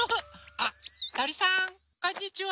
あっとりさんこんにちは。